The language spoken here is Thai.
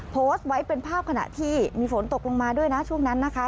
โพสต์ไว้เป็นภาพขณะที่มีฝนตกลงมาด้วยนะช่วงนั้นนะคะ